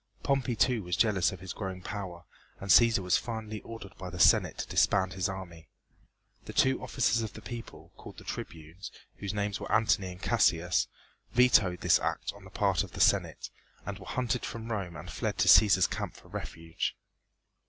Pompey too was jealous of his growing power, and Cæsar was finally ordered by the Senate to disband his army. The two officers of the people, called the tribunes, whose names were Antony and Cassius, vetoed this act on the part of the Senate, and were hunted from Rome and fled to Cæsar's camp for refuge.